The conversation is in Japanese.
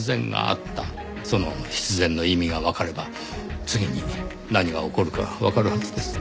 その必然の意味がわかれば次に何が起こるかわかるはずです。